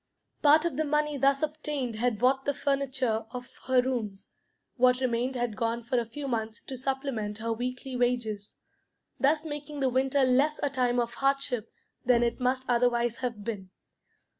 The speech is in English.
Part of the money thus obtained had bought the furniture of her rooms; what remained had gone for a few months to supplement her weekly wages, thus making the winter less a time of hardship than it must otherwise have been.